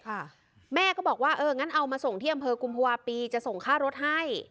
ค่ะแม่ก็บอกว่าเอองั้นเอามาส่งที่อำเภอกุมภาวะปีจะส่งค่ารถให้